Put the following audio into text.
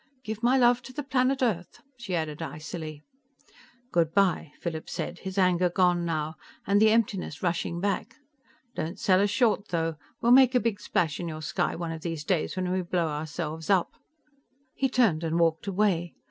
"Give my love to the planet Earth," she added icily. "Good by," Philip said, his anger gone now, and the emptiness rushing back. "Don't sell us short, though we'll make a big splash in your sky one of these days when we blow ourselves up." He turned and walked away.